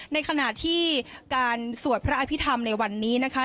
ในขณะที่การสวดพระอภิษฐรรมในวันนี้นะคะ